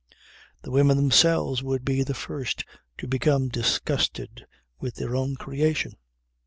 The women themselves would be the first to become disgusted with their own creation.